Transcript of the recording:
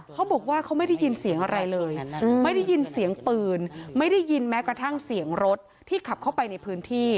เขาบอกว่าเขาไม่ได้ยินเสียงอะไรเลยไม่ได้ยินเสียงปืนไม่ได้ยินแม้กระทั่งเสียงรถที่ขับเข้าไปในพื้นที่